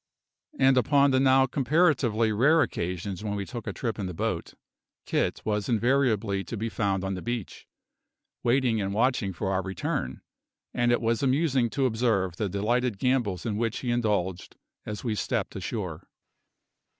And upon the now comparatively rare occasions when we took a trip in the boat, Kit was invariably to be found on the beach, waiting and watching for our return; and it was amusing to observe the delighted gambols in which he indulged as we stepped ashore.